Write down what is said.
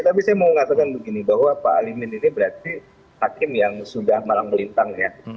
tapi saya mau katakan begini bahwa pak alimin ini berarti hakim yang sudah malang melintang ya